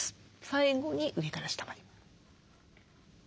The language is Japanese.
最後に上から下まで。